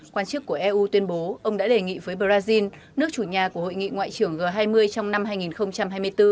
quan chức của eu tuyên bố ông đã đề nghị với brazil nước chủ nhà của hội nghị ngoại trưởng g hai mươi trong năm hai nghìn hai mươi bốn